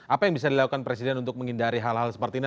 apa yang bisa dilakukan presiden untuk menghindari hal hal seperti ini